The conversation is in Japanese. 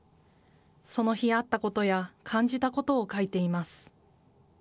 その日あったことや感じたことを書いています。